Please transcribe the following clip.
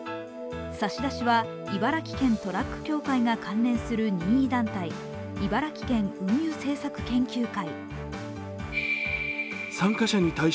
差し出しは茨城県トラック協会が関連する任意団体、茨城県運輸政策研究会。